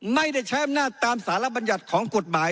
ไม่ได้ใช้อำนาจตามสารบัญญัติของกฎหมาย